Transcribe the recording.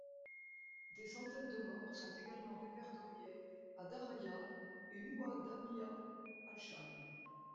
Des centaines de morts sont également répertoriés à Daraya et Mouadamiyat al-Cham.